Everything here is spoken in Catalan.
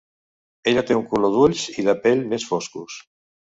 Ella té un color d'ulls i de pell més foscos.